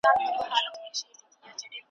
نور یې هېر سو چل د ځان د مړولو ,